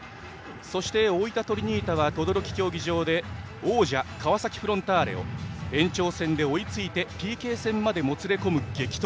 そして、大分トリニータは等々力競技場で王者・川崎フロンターレを延長戦で追いついてＰＫ戦までもつれ込む激闘。